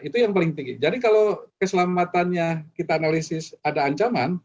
itu yang paling tinggi jadi kalau keselamatannya kita analisis ada ancaman